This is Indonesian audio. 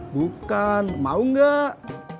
bukan mau enggak